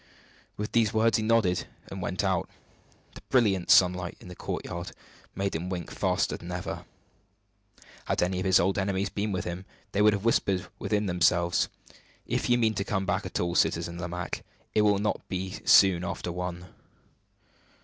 With these words he nodded and went out. The brilliant sunlight in the courtyard made him wink faster than ever. Had any of his old enemies been with him, they would have whispered within themselves, "If you mean to come back at all, Citizen Lomaque, it will not be soon after one!"